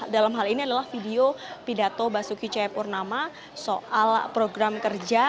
dalam hal ini adalah video pidato basuki cahayapurnama soal program kerja